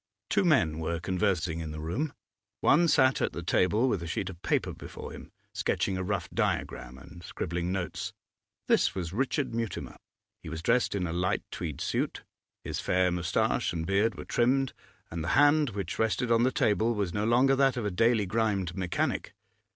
Two men were conversing in the room. One sat at the table with a sheet of paper before him, sketching a rough diagram and scribbling notes; this was Richard Mutimer. He was dressed in a light tweed suit; his fair moustache and beard were trimmed, and the hand which rested on the table was no longer that of a daily grimed mechanic.